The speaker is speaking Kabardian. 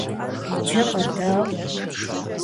Иджы къэдаӀуэ!